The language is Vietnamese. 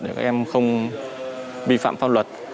để các em không vi phạm pháp luật